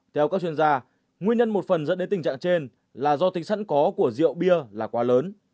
theo các chuyên gia nguyên nhân một phần dẫn đến tình trạng trên là do tính sẵn có của rượu bia là quá lớn